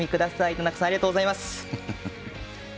田中さん、ありがとうございます。